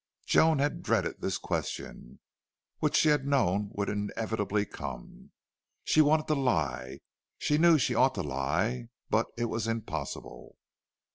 Joan had dreaded this question, which she had known would inevitably come. She wanted to lie; she knew she ought to lie; but it was impossible.